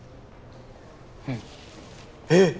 うん。えっ！